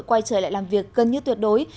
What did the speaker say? quay trở lại làm việc gần như tuyệt đối